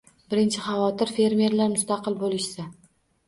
Birinchi xavotir – fermerlar mustaqil bo‘lishsa